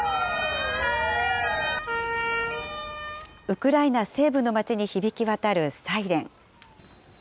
ウクライナ西部の街に響き渡るサイレン。